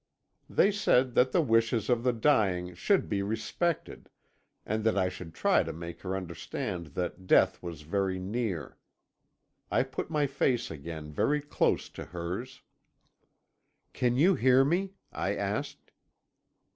They said that the wishes of the dying should be respected, and that I should try to make her understand that death was very near. I put my face again very close to hers. "'Can you hear me?' I asked.